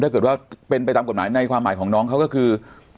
ถ้าเกิดว่าเป็นไปตามกฎหมายในความหมายของน้องเขาก็คือ